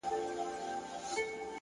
وخت د هر عمل اغېز ښکاره کوي؛